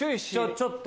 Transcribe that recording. ちょっと。